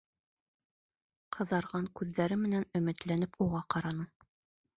Ҡыҙарған күҙҙәре менән өмөтләнеп уға ҡараны: